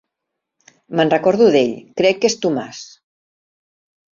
Me'n recordo d'ell, crec que és Tomàs.